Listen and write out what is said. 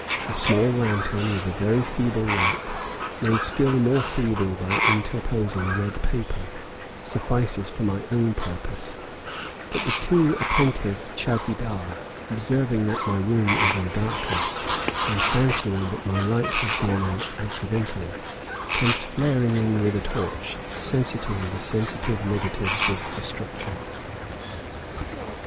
A small lantern with a very feeble light, made still more feeble by interposing red paper, suffices for my own purpose; but the too attentive chowkee dar, observing that my room is in darkness, and fancying that my light has gone out accidentally, comes flaring in with a torch, threatening the sensitive negatives with destruction.